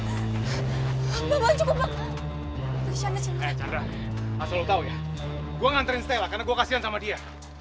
eh chandra asal lo tau ya gue nganterin stella karena gue kasihan sama dia